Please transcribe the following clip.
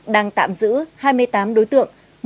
đang tạm giữ hai mươi tám đối tượng